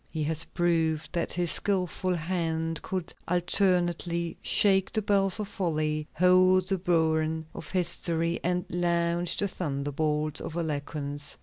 He has proved that his skilful hand could alternately shake the bells of folly, hold the burin of history, and launch the thunderbolts of eloquence.